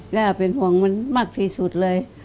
ย่าเป็นห่วงมันมากที่สุดเลย